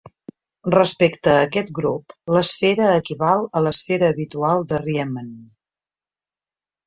Respecte a aquest grup, l'esfera equival a l'esfera habitual de Riemann.